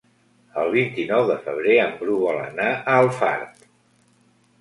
El vint-i-nou de febrer en Bru vol anar a Alfarb.